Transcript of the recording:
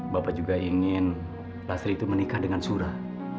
bapak juga ingin basri itu menikah dengan surah